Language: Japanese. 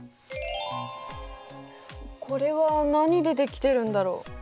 これは何でできてるんだろう？